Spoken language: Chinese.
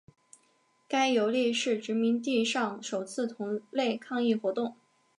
该游利是殖民地上首次同类抗议活动。